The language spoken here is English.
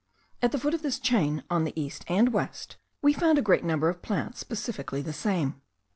At the foot of this chain, on the east and west, we found a great number of plants specifically the same.